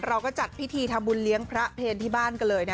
เราก็จัดพิธีทำบุญเลี้ยงพระเพลที่บ้านกันเลยนะ